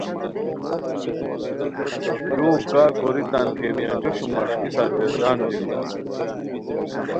ُلوؤ کار کوری تان کیمیا جوشو مݰکیسرگردان بیرو